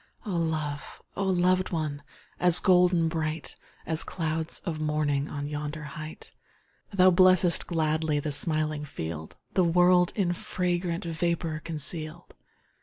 Oh love! oh loved one! As golden bright, As clouds of morning On yonder height! Thou blessest gladly The smiling field, The world in fragrant Vapour conceal'd.